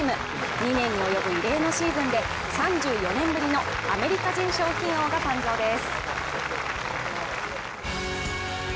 ２年に及ぶ異例のシーズンで３４年ぶりのアメリカ人賞金王が誕生です。